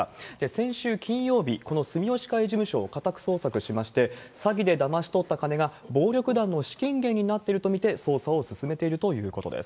先週金曜日、この住吉会事務所を家宅捜索しまして、詐欺でだまし取った金が暴力団の資金源になっていると見て、捜査を進めているということです。